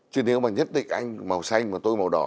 chứ nếu mà nhất định anh màu xanh mà tôi màu đỏ